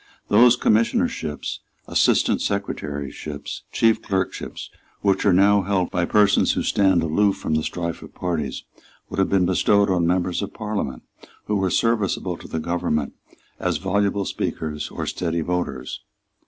Those commissionerships, assistant secretaryships, chief clerkships, which are now held for life by persons who stand aloof from the strife of parties, would have been bestowed on members of Parliament who were serviceable to the government as voluble speakers or steady voters.